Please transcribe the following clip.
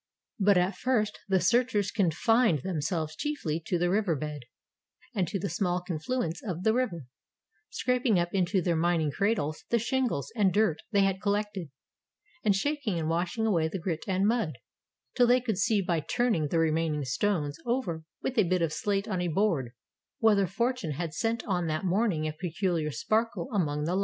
But at first the searchers confined themselves chiefly to the river bed and to the small confluents of the river, scraping up into their mining cradles the shingles and dirt they had collected, and shaking and washing away the grit and mud, till they could see by turning the remaining stones over with a bit of slate on a board whether Fortune had sent on that morning a peculiar sparkle among the lot.